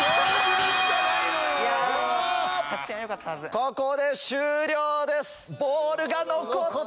ここで終了です。